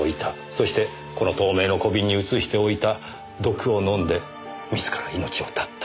そしてこの透明の小瓶に移しておいた毒を飲んで自ら命を絶った。